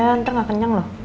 nanti gak kenyang loh